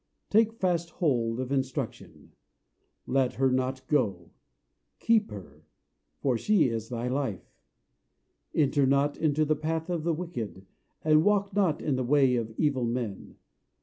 Take fast hold of instruction; Let her not go: Keep her; For she is thy life. Enter not into the Path of the Wicked, And walk not in the way of evil men.